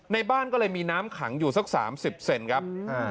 ในบ้านก็เลยมีน้ำขังอยู่สัก๓๐เซนครับ